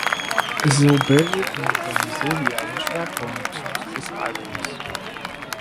So bildeten seine Soli einen Schwerpunkt dieses Albums.